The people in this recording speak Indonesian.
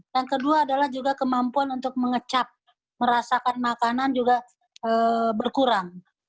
yang kedua adalah juga kemampuan untuk mengecap merasakan makanan juga berkurang